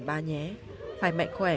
ba nhé phải mạnh khỏe